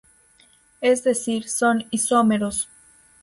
Es decir, son isómeros.